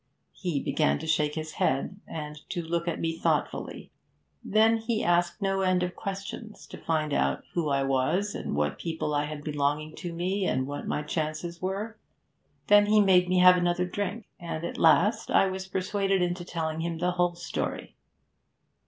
He began to shake his head and to look at me thoughtfully. Then he asked no end of questions, to find out who I was and what people I had belonging to me, and what my chances were. Then he made me have another drink, and at last I was persuaded into telling him the whole story.